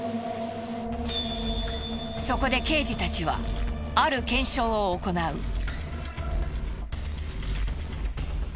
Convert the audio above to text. そこで刑事たちはある検証を行う。